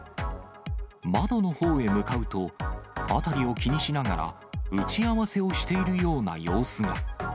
窓のほうへ向かうと、辺りを気にしながら打ち合わせをしているような様子が。